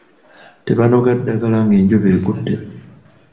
Tebanoga ddagala ng’enjuba egudde.